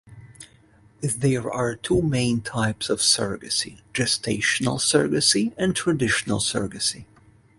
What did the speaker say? There are two main types of surrogacy: gestational surrogacy and traditional surrogacy.